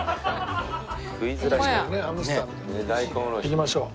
いきましょう。